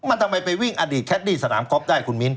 มันทำไมไปวิ่งอดีตแคดดี้สนามก๊อฟได้คุณมิ้น